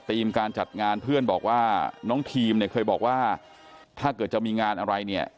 การจัดงานเพื่อนบอกว่าน้องทีมเนี่ยเคยบอกว่าถ้าเกิดจะมีงานอะไรเนี่ย